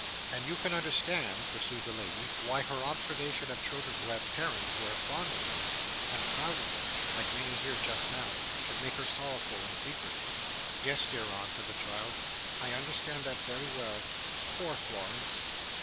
"And you can understand," pursued the lady, "why her observation of children who have parents who are fond of them, and proud of them—like many here, just now—should make her sorrowful in secret?" "Yes, dear aunt," said the child, "I understand that very well. Poor Florence!"